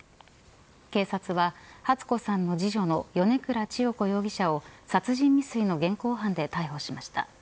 警察は初子さんの次女の米倉千代子容疑者を殺人未遂の現行犯で逮捕しました。